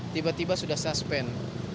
tiba tiba sudah suspen